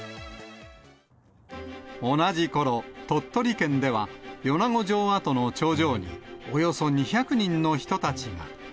同じころ、鳥取県では米子城跡の頂上に、およそ２００人の人たちが。